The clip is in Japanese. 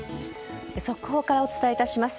速報からお伝えいたします。